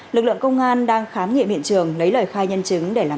lực lượng công an đang khám nghiệm hiện trường lấy lời khai nhân chứng để làm rõ